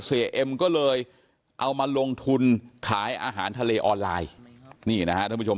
เสียเอ็มก็เลยเอามาลงทุนขายอาหารทะเลออนไลน์